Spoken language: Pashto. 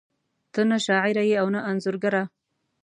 ته نه شاعره ېې او نه انځورګره